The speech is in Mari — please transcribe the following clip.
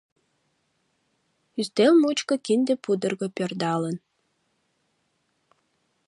Ӱстел мучко кинде пудырго пӧрдалын.